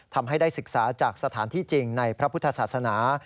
ทำให้ได้ศึกษาจากสถานที่จริงในพระพุทธศาสนา